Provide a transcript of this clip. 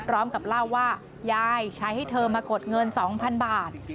บอกว่ายายใช้ให้เธอมากดเงิน๒๐๐๐บาท